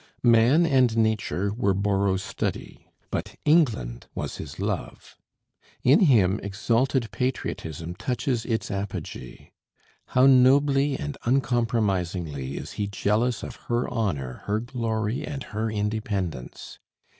Man and nature were Borrow's study, but England was his love. In him exalted patriotism touches its apogee. How nobly and uncompromisingly is he jealous of her honor, her glory, and her independence!